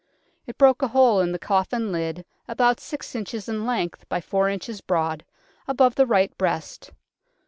It broke a hole in the coffin lid about six inches in length by four inches broad, above the right breast.